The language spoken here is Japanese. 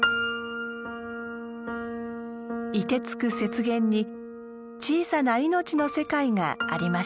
凍てつく雪原に小さな命の世界がありました。